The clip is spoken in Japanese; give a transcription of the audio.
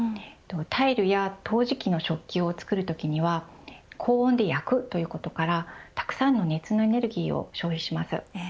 タイルや陶磁器の食器を作るときには高温で焼くことからたくさんの熱のエネルギーを消費します。